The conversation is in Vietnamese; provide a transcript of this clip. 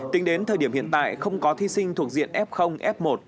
tính đến thời điểm hiện tại không có thí sinh thuộc diện f f một